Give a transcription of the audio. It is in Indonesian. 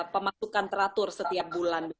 pematukan teratur setiap bulan